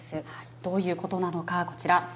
どういうことなのか、こちら。